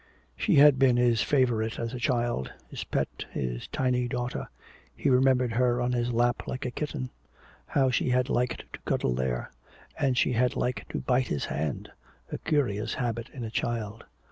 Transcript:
She had been his favorite as a child, his pet, his tiny daughter. He remembered her on his lap like a kitten. How she had liked to cuddle there. And she had liked to bite his hand, a curious habit in a child.